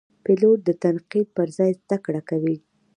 پیلوټ د تنقید پر ځای زده کړه کوي.